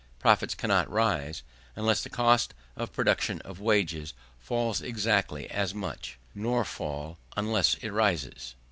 Profits cannot rise, unless the cost of production of wages falls exactly as much; nor fall, unless it rises.